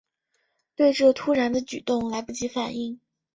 对这突然的举动来不及反应